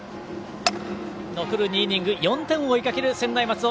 残る２イニングで４点を追いかける専大松戸。